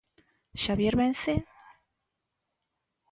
Xavier Vence?